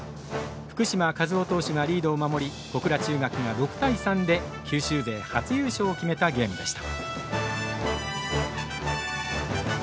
福嶋一雄投手がリードを守り小倉中学が６対３で九州勢初優勝を決めたゲームでした。